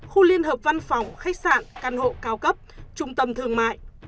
khu liên hợp văn phòng khách sạn căn hộ cao cấp trung tâm thương mại